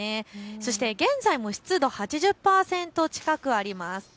そして現在も湿度、８０％近くあります。